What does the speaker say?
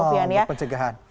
new normal untuk pencegahan